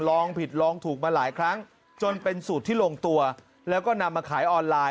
ลองผิดลองถูกมาหลายครั้งจนเป็นสูตรที่ลงตัวแล้วก็นำมาขายออนไลน์